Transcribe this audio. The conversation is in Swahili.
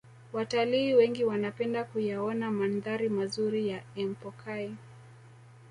Watalii wengi wanapenda kuyaona mandhari mazuri ya empokai